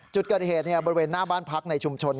จุดเกิดเหตุบริเวณหน้าบ้านพักในชุมชน